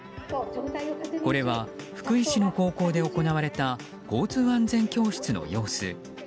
これは、福井市の高校で行われた交通安全教室の様子。